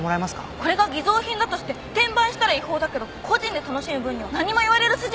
これが偽造品だとして転売したら違法だけど個人で楽しむ分には何も言われる筋合いないですよね。